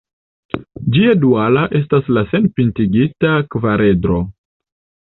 Ĝia duala estas la senpintigita kvaredro.